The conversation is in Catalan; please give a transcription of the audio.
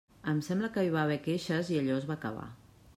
Em sembla que hi va haver queixes i allò es va acabar.